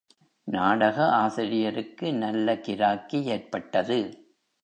நாடக ஆசிரியருக்கு நல்ல கிராக்கி ஏற்பட்டது.